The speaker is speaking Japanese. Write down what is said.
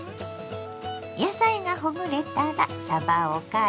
野菜がほぐれたらさばを返し